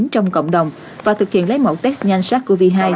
trong cộng đồng và thực hiện lấy mẫu test nhanh sars cov hai